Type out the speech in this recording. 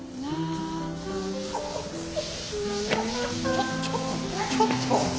ちょっとちょっとちょっと。